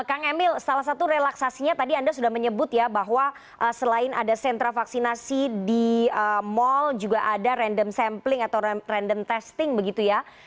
kang emil salah satu relaksasinya tadi anda sudah menyebut ya bahwa selain ada sentra vaksinasi di mal juga ada random sampling atau random testing begitu ya